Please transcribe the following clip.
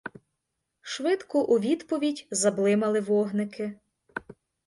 Швидко у відповідь заблимали вогники.